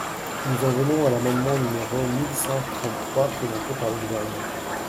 Nous en venons à l’amendement numéro mille cent trente-trois présenté par le Gouvernement.